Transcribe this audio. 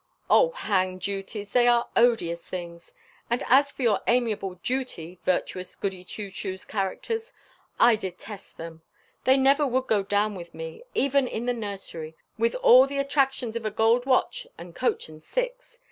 "Oh, hang duties! they are odious things. And as for your amiable, dutiful, virtuous Goody Two Shoes characters, I detest them. They never would go down with me, even in the nursery, with all he attractions of a gold watch and coach and six.